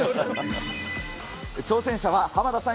挑戦者は、濱田さん